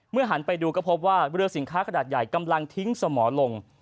หันไปดูก็พบว่าเรือสินค้าขนาดใหญ่กำลังทิ้งสมอลง